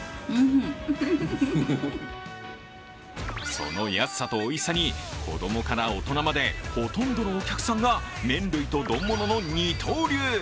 その安さとおいしさに子供から大人までほとんどのお客さんが麺類と丼ものの二刀流。